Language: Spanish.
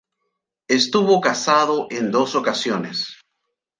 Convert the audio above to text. Estuvo casado en dos ocasiones.